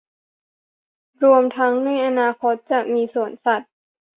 รวมทั้งในอนาคตจะมีสวนสัตว์